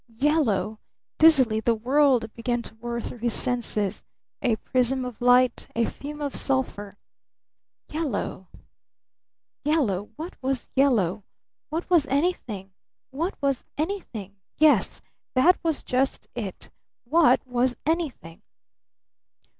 Yellow? Dizzily the world began to whir through his senses a prism of light, a fume of sulphur! Yellow? Yellow? What was yellow? What was anything? What was anything? Yes! That was just it! Where was anything?